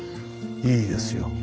いいですよ。